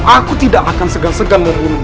aku tidak akan segan segan membunuh